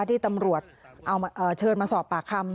ที่ตำรวจเอาเชิญมาสอบปากคำ